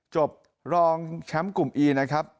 จบรองแชมป์กลุ่มอีนะครับ